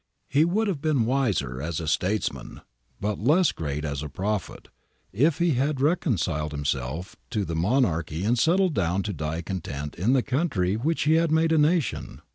He would have been wiser as a states man, but less great as a prophet, if he had reconciled himself to the monarchy and settled down to die content in the country which he had made a nation.